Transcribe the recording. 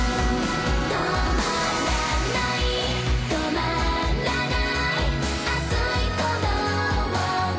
「止まらない止まらない熱い鼓動が」